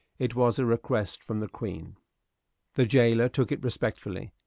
It was a request from the Queen. The jailer took it respectfully.